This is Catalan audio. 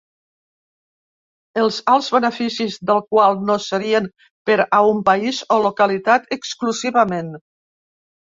Els alts beneficis del qual no serien per a un país o localitat exclusivament.